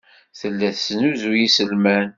Tella tesnuzuy iselman.